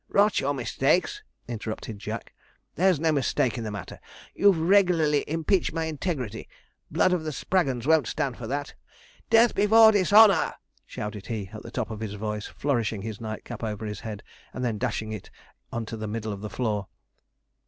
'Rot your mistakes!' interrupted Jack; 'there's no mistake in the matter. You've _reg_larly impeached my integrity blood of the Spraggons won't stand that. "Death before Dishonour!"' shouted he, at the top of his voice, flourishing his nightcap over his head, and then dashing it on to the middle of the floor.